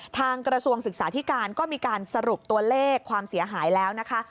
กระทรวงศึกษาธิการก็มีการสรุปตัวเลขความเสียหายแล้วนะคะ